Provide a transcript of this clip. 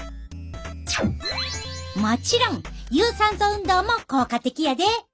もちろん有酸素運動も効果的やで。